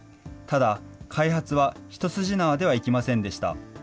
ただ、開発は一筋縄ではいきませんでした。